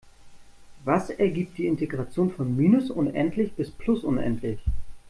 Was ergibt die Integration von minus unendlich bis plus unendlich?